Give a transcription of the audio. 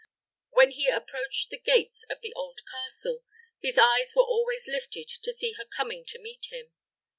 When he approached the gates of the old castle, his eyes were always lifted to see her coming to meet him.